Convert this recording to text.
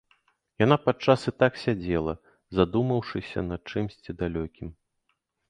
Яна падчас і так сядзела, задумаўшыся над чымсьці далёкім.